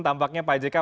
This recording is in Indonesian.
tampaknya pak jika